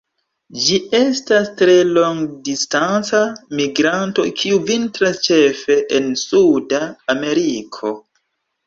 Ĝi estas tre longdistanca migranto kiu vintras ĉefe en Suda Ameriko.